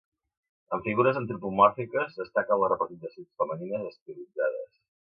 En figures antropomòrfiques, destaquen les representacions femenines estilitzades.